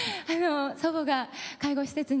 祖母が介護施設に。